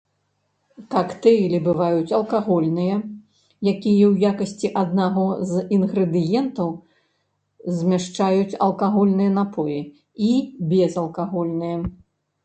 Кактэйлі бываюць алкагольныя, якія ў якасці аднаго з інгрэдыентаў змяшчаюць алкагольныя напоі, і безалкагольныя.